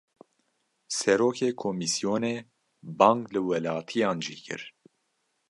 Serokê komîsyonê, bang li welatiyan jî kir